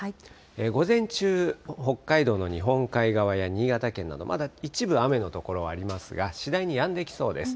午前中、北海道の日本海側や新潟県など、まだ一部、雨の所ありますが、次第にやんできそうです。